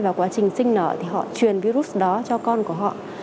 vào quá trình sinh nở thì họ truyền virus đó cho con của họ